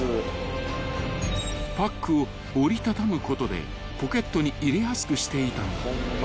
［パックを折り畳むことでポケットに入れやすくしていたのだ］